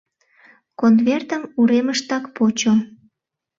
Конвертым уремыштак почо.